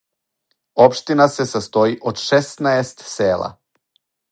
Општина се састоји од шеснаест села.